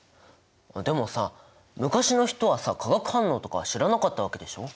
でもさ昔の人はさ化学反応とか知らなかったわけでしょ。